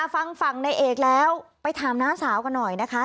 ฟังฝั่งในเอกแล้วไปถามน้าสาวกันหน่อยนะคะ